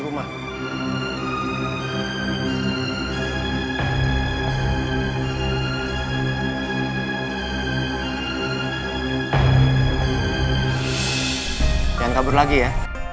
jangan kabur lagi ya